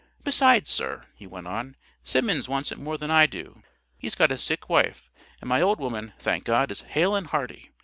"Besides, sir," he went on, "Simmons wants it more than I do. He's got a sick wife; and my old woman, thank God, is hale and hearty.